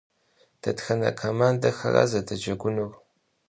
Detxene komandexera zedecegunur?